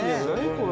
これ。